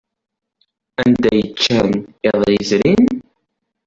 Anda ay ččan iḍ yezrin?